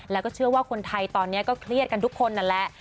แล้วก็เชื่อว่าคนไทยตอนนี้ก็เครียดกันทุกคนนั่นแหละ